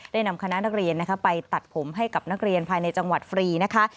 นำคณะนักเรียนไปตัดผมให้กับนักเรียนภายในจังหวัดฟรีนะคะ